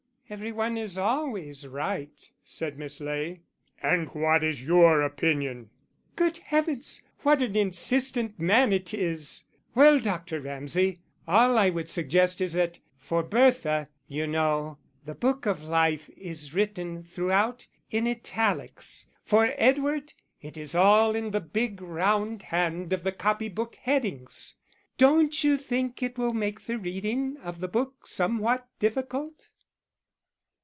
"Every one is always right," said Miss Ley. "And what is your opinion?" "Good heavens, what an insistent man it is! Well, Dr. Ramsay, all I would suggest is that for Bertha, you know, the book of life is written throughout in italics; for Edward it is all in the big round hand of the copybook headings.... Don't you think it will make the reading of the book somewhat difficult?"